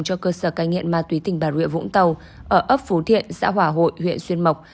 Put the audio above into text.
cho cơ sở cai nghiện ma túy tỉnh bà rịa vũng tàu ở ấp phú thiện xã hòa hội huyện xuyên mộc